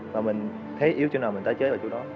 và mình thấy yếu chỗ nào mình tái chế vào chỗ đó